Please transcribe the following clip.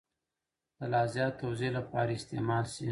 د لا زیات توضیح لپاره استعمال شي.